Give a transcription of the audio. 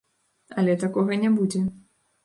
Але такога не будзе.